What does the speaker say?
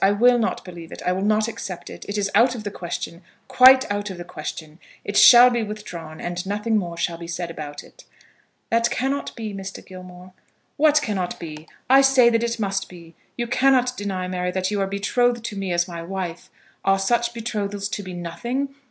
I will not believe it. I will not accept it. It is out of the question; quite out of the question. It shall be withdrawn, and nothing more shall be said about it." "That cannot be, Mr. Gilmore." "What cannot be? I say that it must be. You cannot deny, Mary, that you are betrothed to me as my wife. Are such betrothals to be nothing?